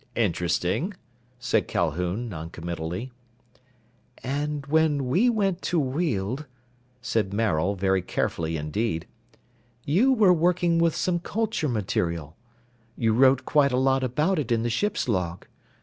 "Interesting," said Calhoun, noncommittally. "And when we went to Weald," said Maril very carefully indeed, "you were working with some culture material. You wrote quite a lot about it in the ship's log.